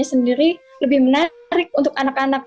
yang kedua pengunjungnya sendiri lebih menarik untuk anak anak